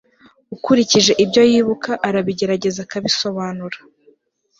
Ukurikije ibyo yibuka arabigerageza akabisobanura